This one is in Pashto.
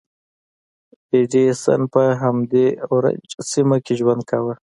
ایډېسن په همدې اورنج سیمه کې ژوند کاوه.